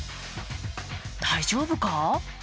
大丈夫か？